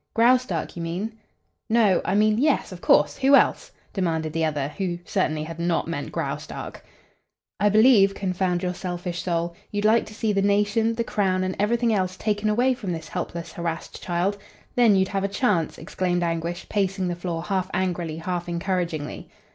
"Graustark, you mean?" "No I mean yes, of course, who else?" demanded the other, who certainly had not meant Graustark. "I believe, confound your selfish soul, you'd like to see the nation, the crown and everything else taken away from this helpless, harrassed child. Then you'd have a chance," exclaimed Anguish, pacing the floor, half angrily, half encouragingly.